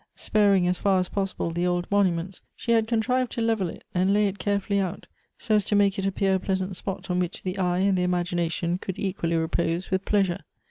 Sparing, as far as possible, the old monuments, she had contrived to level it, and lay it carefully out, so as to make it appear a pleasant spot on which the eye and the imagination could equally repose with pleasure.